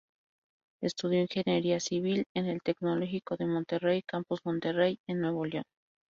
Estudió ingeniería civil en el Tecnológico de Monterrey, Campus Monterrey, en Nuevo León.